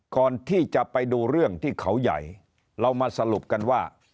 ก่อนที่จะไปดูเรื่องที่เขาใหญ่เรามาสรุปกันว่า